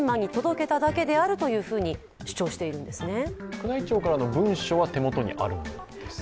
宮内庁からの文書は手元にあるんですか？